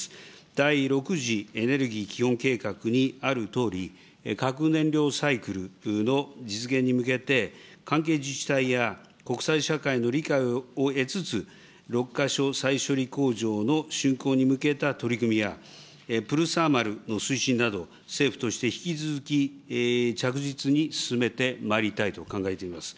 第６次エネルギー基本計画にあるとおり、核燃料サイクルの実現に向けて、関係自治体や国際社会の理解を得つつ、六ヶ所再処理工場の竣工に向けた取り組みや、プルサーマルの推進など、政府として引き続き着実に進めてまいりたいと考えています。